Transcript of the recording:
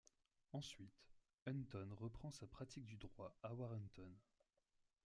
Ensuite, Hunton reprend sa pratique du droit à Warrenton.